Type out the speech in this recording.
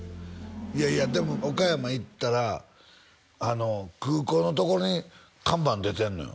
いやいやでも岡山行ったら空港のところに看板出てんのよ